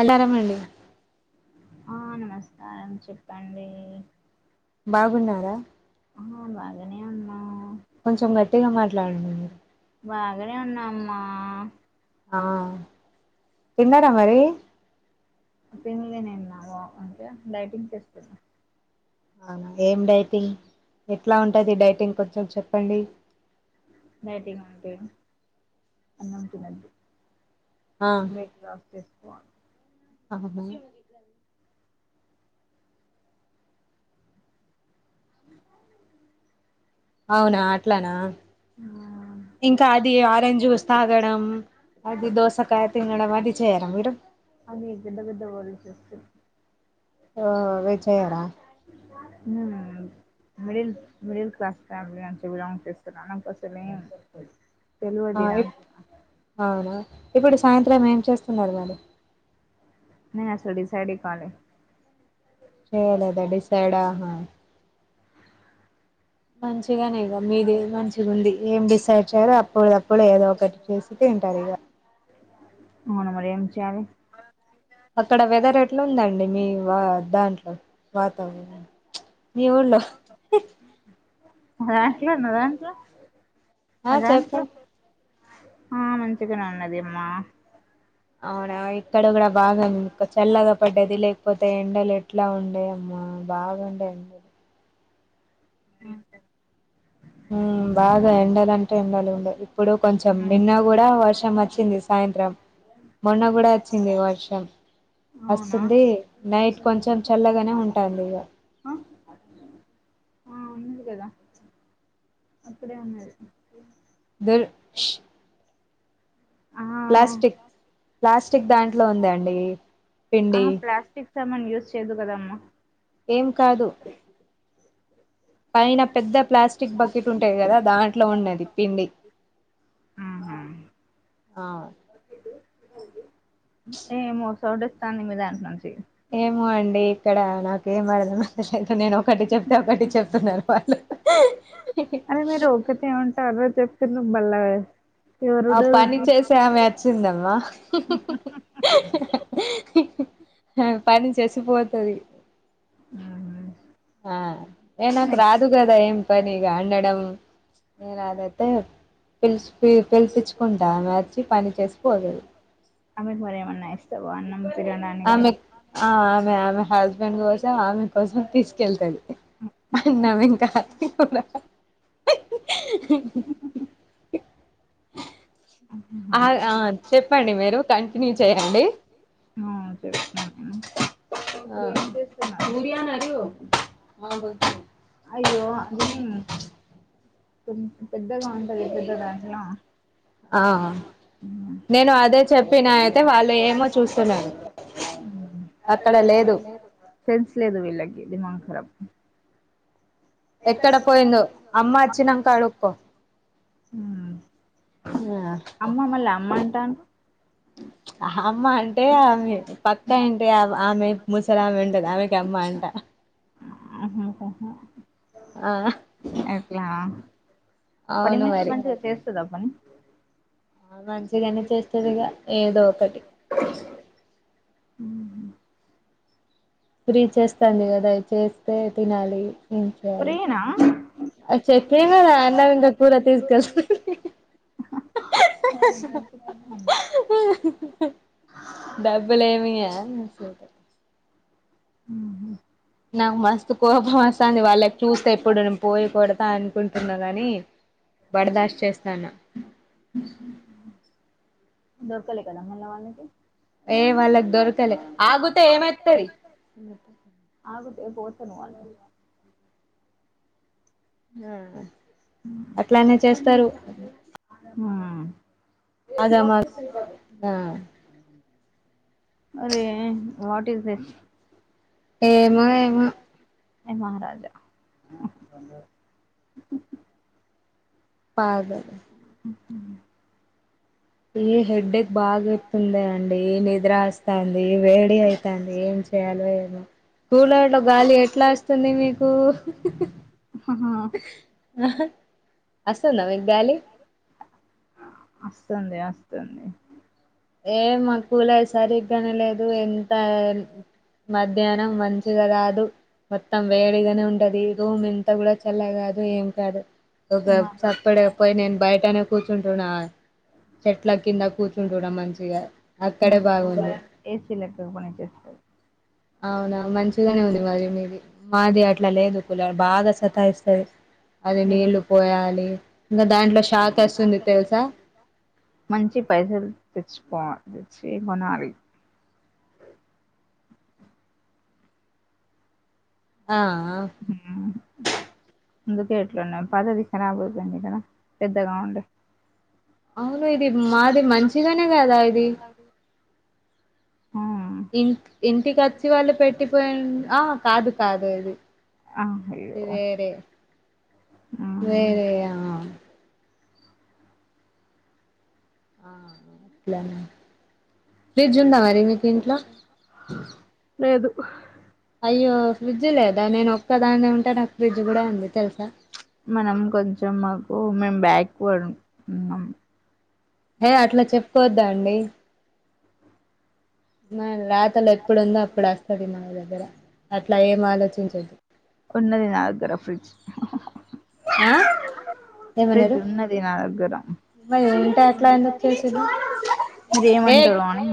అళ్ళఅరమన్డి ఆ నమస్కారం చెప్పండి బాగున్నారా ఆ బాగానే ఉన్నాం కొంచెం గట్టిగా మాట్లాడండి మీరు బాగానే ఉన్నామ్మా ఆ తిన్నారా మరి పిన్లే నిన్న బా అంటే డైటింగ్ చేస్తున్న అవునా ఏం డైటింగ్ ఎట్లా ఉంటుంది డైటింగ్ కొంచెం చెప్పండి డైటింగ్ అంటే అన్నం తిన్నండి నెట్ ఆఫ్ చేస్ అబోబో అవునా అట్లానా ఆ, ఇంకా అది ఆరెంజ్ జూస్ తాగడం అది దోసకాయ తినడం అది చేయర మీరు అది పెద్దపేదవోల్లు చేస్తురు ఓహో వేచయడా హ మిడిల్ మిడి క్లాస్ ఫ్యామిలీ అంతా బిలాంగ్ చేస్తున్న అంతసలేంముండదు ఆ వి అవునా ఇప్పుడు సాయంత్రం ఏం చేస్తున్నారు మరి నేను అసల్ డిసైడే కాలే కాలేదా డిసైడ్ ఆహా మంచిగానేగ మీది మంచిగుంది ఏం బ సడ్చారు అప్పుడు అప్పుడు ఏదో ఒకటి చేసి తింటారు ఇగ అవున మరి ఏంచేయాలె అక్కడ వెదర్ ఎట్లుందండి మీ వా దాంట్లో వాతావరణం మీ ఊర్లో మాదన్కే మాదన్కే ఆ మాదన్కే చెప్పండి ఆ మంచిగానే ఉన్నది అమ్మా అవునా ఇక్కడ కూడా బాగుంది చల్లగా పడ్డది లేకపోతే ఎండలు ఎట్లా ఉందో అమ్మ బాగుండె ఎండలు ఆహా హ్మ్ బాగా ఎండలు ఇలాంట ఎండలు ఉండ ఇప్పుడు కొంచెం ఉమ్ నిన్న సరే గూడా వర్షం వచ్చింది సాయంత్రం మొన్న కూడా వచ్చింది వర్షం అవునా వస్తుంది నైట్ కొంచెం చల్లగా ఉంటాంది ఇగ ఆ ఆ ఉన్నది కదా అక్కడే ఉన్నది దర్ష్ ఆ ప్లాస్టిక్ ప్లాస్టిక్ దాంట్లో ఉంది అండి ఆ ప్లాస్టిక్ సామాన్ యూజ్ చేయద్దు కదమ్మా ఏం కాదు పైన పెద్ద ప్లాస్టిక్ బకెట్ ఉంటాయి కదా దాంట్లో ఉన్నది పిండి ఆహా ఆ ఏ మోసోడ్ ఇస్తాంది మీ దాంట్ నుంచి ఏమో అండి ఇక్కడ నాకేం అడదు నేను ఒకటి చెప్తే ఒకటి చెప్తున్నారు వాళ్ళు అదే మీరు ఒకటి ఏమంటారు చెప్తు నువ్ బల్ల ఆ పని చేసా ఆమె వచ్చిందమ్మా హా పని చేసిపోతది ఆ ఏ నాకు రాదు గదా ఏం పనిగ అండడం ఏ రాద అయితే పిలి పిలిపించుకుంటా మర్చి పని చేసిపోలేదు అమెక మరి ఏమన్నా ఇస్తా బన్నా ఆమె ఆ ఆమె ఆమె హస్బెండ్ కోసం ఆమె కోసం తీసుకెళ్తది అన్నవింకా కూడా ఆ ఆ చెప్పండి మీరు కంటిన్యూ చేయండి ఆ చెప్తున్నాను ఆ ముడిను అరి మా అయ్యో అది పెద్దగా ఉంటది పెద్ద దాంట్లో ఆ నేను అదే చెప్పినా అయితే వాళ్ళు ఏమో చూస్తున్నారు అక్కడ లేదు సెన్స్ లేదు వీళ్ళకి దిమాగఖరాబ ఎక్కడ పోయిందో పోయి అమ్మ వచ్చినంక అడుక్కో అమ్మ మల్ల అమ్మటాండ్రు అ అమ్మ అంటే ఆమె పక్కా అంటే ఆమె ముసలమె ఉంటది ఆమెకి అమ్మ అంట ఆ ఎట్లా పని అవును మనిషి మంచిగా చేస్తదా పని ఆ మంచిగానే చేస్తదిగా ఏదో ఒకటి ఉహు ఫ్రీ చేస్తాంది కదా చేస్తే తినాలి ఫ్రీనా చెప్తేనే కదా అన్నం ఇంగా కూరా తీసుక సర డబ్బులేమియ్య అసలుకే ఉ నాక్ మస్త్ కోబ మస్ వస్తాంది వాళ్ళకి చూస్తే ఎప్పుడు పోయి కొడతా అనుకుంటున్నా గాని బడదాష్ చేస్తాన దొరకాల కదా మళ్ల వాళ్ళకి ఏయ్ వాళ్ళకి దొరకలే ఆగుతే ఏమైతది తే పోతనువా అట్లానే చేస్తారు హ అద మా ఆ అదే వాట్ ఇస్ దిస్ ఏమో ఏమో ఏ మహారాజా పాగ్ హ ఈ హెడ్డే బాగైతుంది అండి నిద్రస్తంది వేడి అయితాంది ఏం చేయాలో ఏమో కూల అట్ల గాలి ఎట్లా వస్తుంది మీకు అహ వస్తాందా మీకు గాలి వస్తుంది వస్తుంది ఏ మాకూలర్ సరిగ్గానే లేదు ఎంత మధ్యాహ్నం మంచిగ రాదు మొత్తం వేడిగానే ఉండది రూమ్ ఇంత కూడా చల్ల గాదు ఏం కాదు ఒక మహారాజా చక్కడ పోయి నేను బయటనే కూర్చుంటున్నా చెట్ల కింద కూర్చుంటుడం మంచిగా మా అక్కడే బాగుంది ఏసీలక్క కొని చేస్తారు అవునా మంచిగానే ఉంది మరి మీది మాది అట్లా లేదు కూలర్ బాగా సతాయిస్తది అది మీరు నీళ్లు పోయాలి ఇంగ దాంట్లో షాక్ వస్తుంది తెలుసా మంచి పైసలు తెచ్చిపోచ్చ కొనాలి ఆ ఆ అందుకే ఎట్లున్నా పదవి కరాబ్ అవుతుంది కదా పెద్దగా ఉండే అవును ఇది మాది మంచిగనే కదా ఇది కద ఇ ఇంటికిచ్చి వాళ్ళు పెట్టిపోయి ఆ కాదు కాదు ఇది ఆహా య్యో ఇది వేరే వేరే ఆ ఆ ఇట్లనే ఫ్రిడ్జ్ ఉందా మరి మీకు ఇంట్లో లేదు అయ్యో ఫ్రిడ్జ్ లేదా నేను ఒక్క దాన్ని ఉంట మనం కొంచెం మాకు ఓ మేమ్ బ్యాక్వడ్ హేయ్ అట్లా చెప్పుకోద్దా అండి మ రాత్ తలు ఎప్పుడుందో అప్పుడు వస్తది మా దగ్గర అట్లా ఏం ఆలోచించద్దు ది నాగర ఫ్రిజ్ ఆ ఏమన్నారు ఫ్రిడ్జ్ ఉన్నది నా దగ్గర మా ఉంటే ఎట్లా ఎందుకు చేసది మీరు ఏమంటరో అని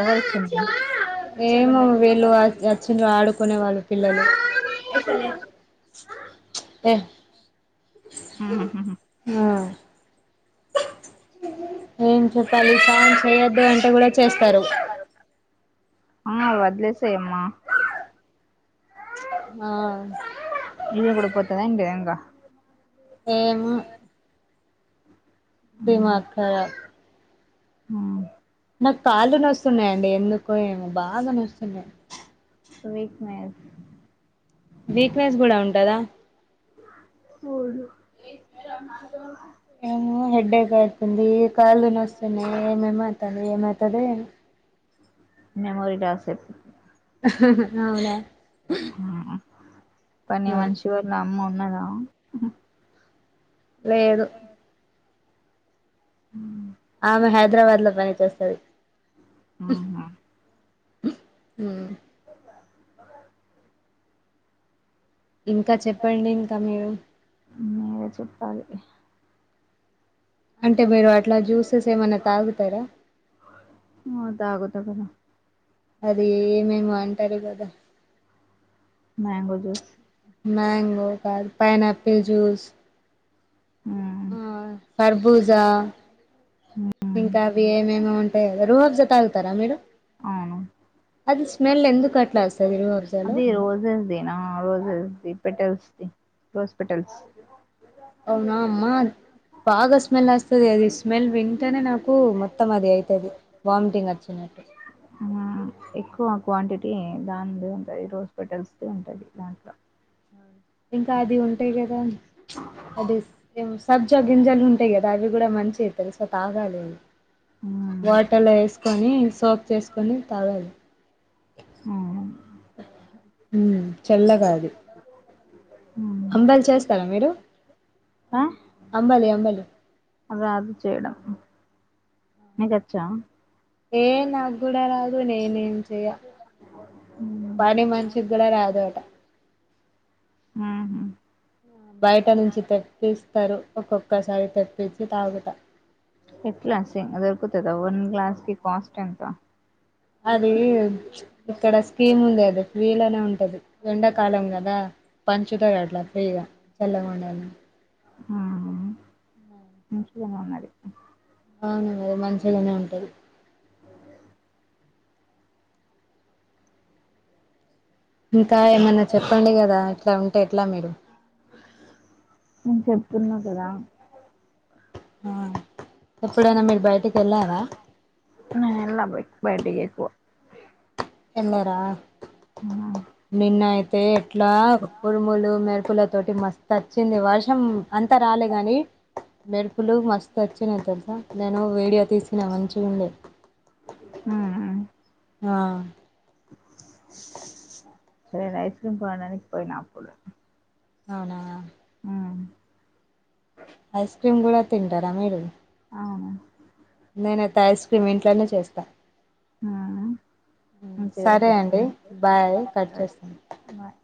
ఎవరొచ్చిండ్రు ఏమో వీళ్ళు అచ్ వచ్చిన్రు ఆడు కొనే వాళ్ళు పిల్లలు అ హె మ్ మ్ హ్ ఏం చెప్పాలి స్నానం చేయద్దు అంటే గుడా చేస్తరు. అమ్మ వదిలేసేయి అమ్మా ఆ ఇదే గుడ పోతద ఎంటి ఎంకా ఏమ్ డిమార్ట్ కదా ఆ నాక్ కాళ్ళు నొస్తున్నాయండి ఎందుకో ఏమో బాగా నొస్తున్నయి. వీక్నెస్ వీక్నెస్ గుడా ఉంటదా? అవును ఏమో హెడ్డేక్ అయితుంది, కాళ్ళు నొస్తున్నయి ఏమేమో అయితాంది ఏమై తదో ఏమో మెమోరీ లాసే అవునా పని మనిషి వాళ్ళ అమ్మ ఉన్నదా లేేదు. ఆమె హైదరాబాద్ల పని చేస్తది. ఆహా మ్ ఇంకా చెప్పండి ఇంకా మీరు మీరే చెప్పాలి అంటే మీరు అట్లా జ్యూసెస్ ఏమన్నా తాగుతరా అవును అది ఏమెమో అంటరు గదా మ్యాంగో జూస్ మ్యాంగో కాదు పైనాపిల్ జూస్ ఆ తర్బూజా ఇంకా అవి ఏమేమో ఉంటయి గదా రుహబ్జ తాగుతారా మీరు అవును అది స్మెల్ ఎందుకట్లా అస్తాది రుహబ్జలో అది రోజెస్ది నా రోజెస్ది పెటల్స్ రోస్పెటల్స్ నా అమ్మా బాగా స్మెల్ అస్తది అది స్మెల్ వింటేనే నాకు మొత్తం అది అయి తది వామిటింగ్ వచ్చినట్టు ఎక్కువ క్వాంటిటీ దానిదే ఉంటది రోస్పెటల్స్దే ఉంటది దాంట్లో ఇంకా అది ఉంటయి గదా అదే ఏం సబ్జా గింజలుంటయి గదా అవి గుడ మంచియే తెల్సా తాగాలె అయి వాటర్లో ఏస్కొని సోప్ చేస్కొని తాగాలి. అవును మ్ చల్లగా అది అంబల్ చేస్తరా మీరు? అంబలి, అంబలి. రాదు చేయడం నీకచ్చా ఏ నాకు గూడా రాదు నేనేం చెయ్య ఉ పని మనిషికి గూడా రాదుట ఉ బయట నుంచి తెప్పిస్తరు ఒక్కొక్కసారి తెప్పించి తాగుట ఎట్ క్లాస్ం దొరుకుతుందా వన్ గ్లాస్ కి కాస్ట్ ఎంత అది ఇక్కడ స్కీమ్ ఉంది అది వీలనే ఉంటది ఎండాకాలం కదా పంచుతారు అట్లా ఫ్రీగా చల్లగ ఉండాలి ఆహా మంచిగ ఉన్నది అవున కద మంచిగనే ఉంటది ఇంకా ఏమన్నా చెప్పండి కదా ఇట్లా ఉంటే ఎట్ల మీరు నేను చెప్తున్నా కదా ఆ ఎప్పుడైనా మీరు బయటికి వెళ్ళారా పో తిన్నారా నిన్న అయితే ఎట్లా ఉరుములు మెరుపుల తోటి మస్తు వచ్చింది వర్షం అంతా రాలే కానీ మెరుపులు మస్తు వచ్చిన నా తెలుసా నేను వీడియో తీసిన మంచిగ ఉంది ఉ ఆ నేను ఐస్ క్రీమ్ కొనడానికి పోయినా అప్పుడు అవునా ఉ ఐస్ క్రీమ్ కూడా తింటారా మీరు అవును నేనైతే ఐస్ క్రీమ్ ఇంట్లోనే చేస్తా ఉ ఉ మంచిగా సరే అండి బాయ్ కట్ తెస్తారు చేస్తాను బాయ్